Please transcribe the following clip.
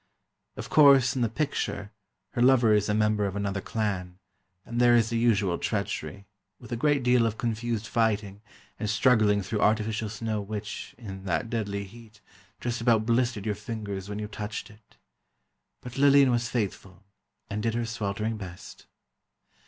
Of course, in the picture, her lover is a member of another clan, and there is the usual treachery, with a great deal of confused fighting, and struggling through artificial snow which, in that deadly heat, just about blistered your fingers when you touched it. But Lillian was faithful, and did her sweltering best.